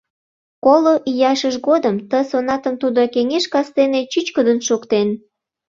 Коло ияшыж годым ты сонатым тудо кеҥеж кастене чӱчкыдын шоктен.